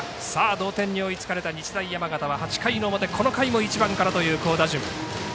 同点に追いつかれた日大山形は８回の表、この回も１番からという好打順。